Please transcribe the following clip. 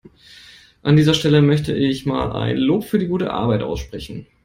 An dieser Stelle möchte ich mal ein Lob für die gute Arbeit aussprechen.